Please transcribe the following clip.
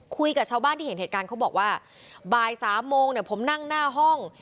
คุยกับชาวบ้านที่เห็นเหตุการณ์เขาบอกว่าบ่ายสามโมงเนี่ยผมนั่งหน้าห้อง